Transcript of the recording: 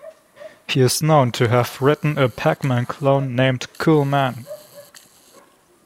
He is known to have written a "Pac-Man" clone named "Cool Man".